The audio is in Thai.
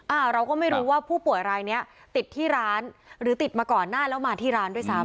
เราก็ไม่รู้ว่าผู้ป่วยรายเนี้ยติดที่ร้านหรือติดมาก่อนหน้าแล้วมาที่ร้านด้วยซ้ำ